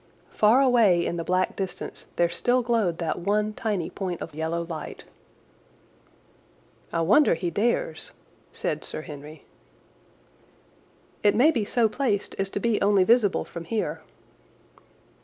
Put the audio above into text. Far away in the black distance there still glowed that one tiny point of yellow light. "I wonder he dares," said Sir Henry. "It may be so placed as to be only visible from here."